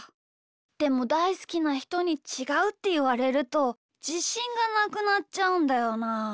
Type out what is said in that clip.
でもだいすきなひとに「ちがう」っていわれるとじしんがなくなっちゃうんだよな。